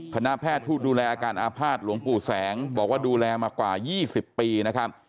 คณะแพทย์ผู้ดูแลอาการอาภาษณหลวงปู่แสงบอกว่าดูแลมากว่า๒๐ปีนะครับ